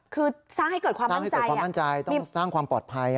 คือสร้างให้เกิดความมั่นใจต้องสร้างความปลอดภัย